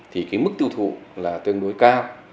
thì cái mức tiêu thụ là tương đối cao